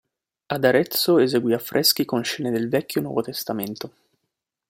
Ad Arezzo eseguì affreschi con scene del Vecchio e Nuovo Testamento.